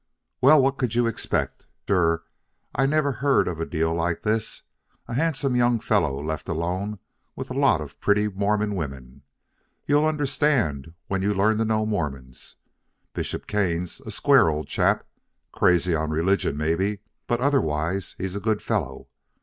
"Well, what could you expect? Sure I never heard of a deal like this a handsome young fellow left alone with a lot of pretty Mormon women! You'll understand when you learn to know Mormons. Bishop Kane's a square old chap. Crazy on religion, maybe, but otherwise he's a good fellow.